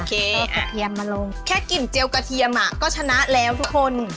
เอากระเทียมมาลงแค่กลิ่นเจียวกระเทียมก็ชนะแล้วทุกคน